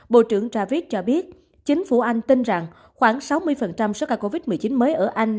bộ trưởng travis cho biết chính phủ anh tin rằng khoảng sáu mươi sars cov một mươi chín mới ở anh